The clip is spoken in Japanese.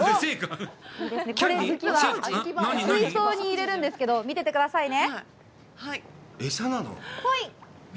水槽に入れるんですけど、見ててくださいね。